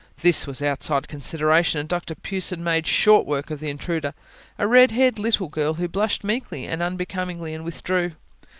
This was outside consideration, and Dr Pughson made short work of the intruder a red haired little girl, who blushed meekly and unbecomingly, and withdrew.